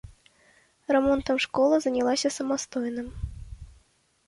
Рамонтам школа занялася самастойна.